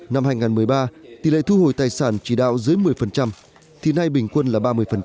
năm hai nghìn một mươi ba tỷ lệ thu hồi tài sản chỉ đạo dưới một mươi thì nay bình quân là ba mươi